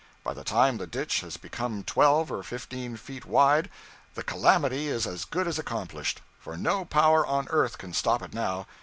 By the time the ditch has become twelve or fifteen feet wide, the calamity is as good as accomplished, for no power on earth can stop it now.